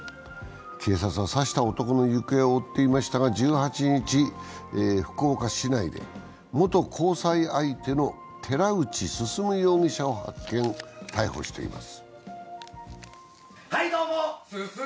警察は刺した男の行方を追っていましたが１８日、福岡市内で元交際相手の寺内進容疑者を発見、逮捕しています。